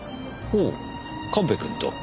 ほう神戸君と。